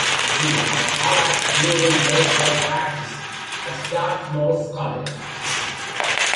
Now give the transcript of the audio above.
He had collapsed during baseball practice at Dartmouth College.